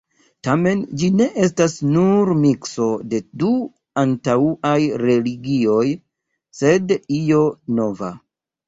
Tamen, ĝi ne estas nur mikso de du antaŭaj religioj, sed io nova.